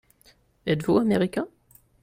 Êtes-vous Américain ?